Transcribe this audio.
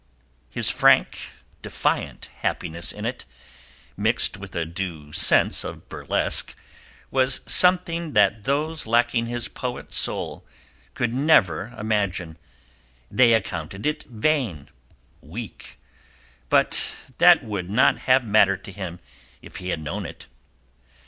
His frank, defiant happiness in it, mixed with a due sense of burlesque, was something that those lacking his poet soul could never imagine; they accounted it vain, weak; but that would not have mattered to him if he had known it.